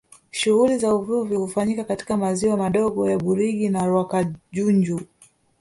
Shughuli za uvuvi hufanyika katika maziwa madogo ya Burigi na Rwakajunju